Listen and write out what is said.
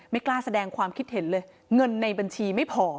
ไม่กล้าแสดงความคิดเห็นเลยเงินในบัญชีไม่พอ